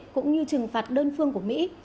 cũng như trừng phạt đơn phương của mỹ